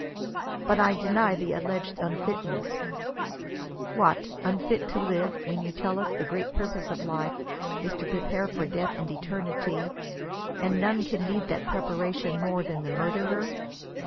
But I deny the alleged unfitness. What ! unfit to live, when you tell us the great purpose of life is to prepare for death and eternity, and none can need that preparation more than the murderer